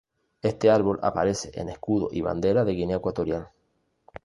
Este árbol aparece en escudo y bandera de Guinea Ecuatorial.